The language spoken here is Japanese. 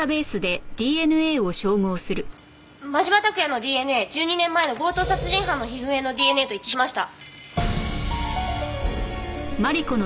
真島拓也のＤＮＡ１２年前の強盗殺人犯の皮膚片のＤＮＡと一致しました。